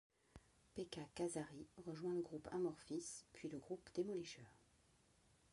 Pekka Kasari rejoint le groupe Amorphis, puis le groupe Demolisher.